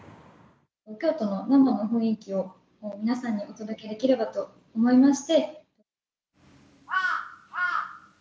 京都の生の雰囲気を皆さんにお届けできればと思いまして。